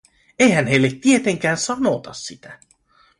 Eihän heille tietenkään sanota sitä.